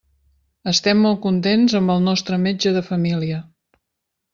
Estem molt contents amb el nostre metge de família.